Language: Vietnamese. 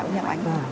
cũng như là anh